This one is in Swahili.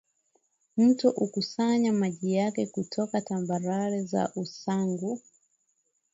mto unakusanya maji yake kutoka tambarare za usangu